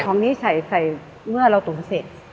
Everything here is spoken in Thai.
ของนี้ใส่เมื่อเราตุ๋นเสร็จ